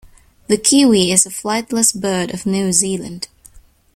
The kiwi is a flightless bird of New Zealand.